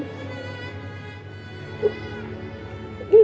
tadi mama kasihan kan